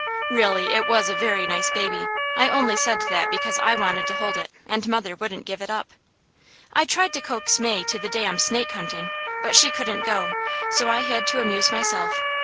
Really, it was a very nice baby; I only said that because I wanted to hold it, and mother wouldn't give it up. I tried to coax May to the dam snake hunting, but she couldn't go, so I had to amuse myself.